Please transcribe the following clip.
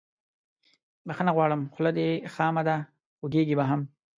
بخښنه غواړم خوله دې خامه ده خوږیږي به هم